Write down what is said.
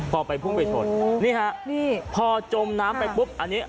เฮ้ยเฮ้ยเฮ้ยเฮ้ยเฮ้ย